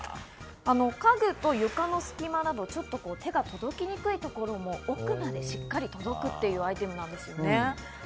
家具と床の隙間など、ちょっと手が届きにくいところも奥までしっかり届くんです。